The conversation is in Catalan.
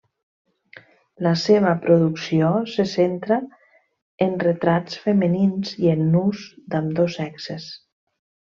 La seva producció se centra en retrats femenins i en nus d'ambdós sexes.